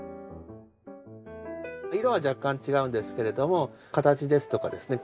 色は若干違うんですけれども形ですとかですね